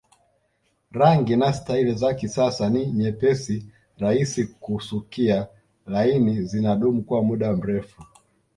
Rangi na staili za kisasa ni nyepesi rahisi kusukia laini zinadumu kwa muda mrefu